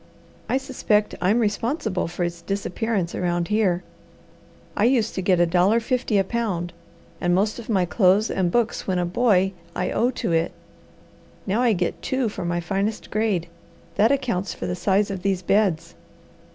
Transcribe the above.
I suspect I'm responsible for its disappearance around here. I used to get a dollar fifty a pound, and most of my clothes and books when a boy I owe to it. Now I get two for my finest grade; that accounts for the size of these beds."